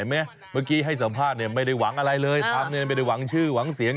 เมื่อกี้ให้สัมภาษณ์ไม่ได้หวังอะไรเลยไม่ได้หวังชื่อหวังเสียง